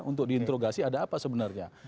untuk diinterogasi ada apa sebenarnya